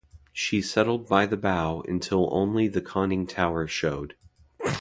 She settled by the bow until only the conning tower showed.